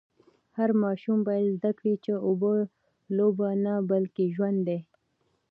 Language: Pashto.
هر ماشوم باید زده کړي چي اوبه لوبه نه بلکې ژوند دی.